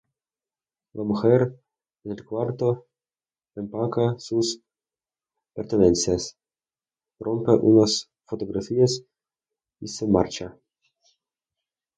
La mujer en el cuarto empaca sus pertenencias, rompe unas fotografías y se marcha.